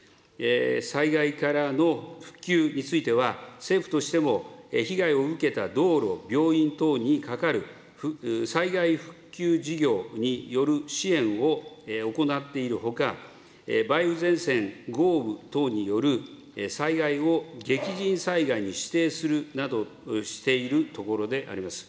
災害からの復旧については、政府としても、被害を受けた道路、病院等にかかる災害復旧事業による支援を行っているほか、梅雨前線、豪雨等による災害を激甚災害に指定するなどしているところであります。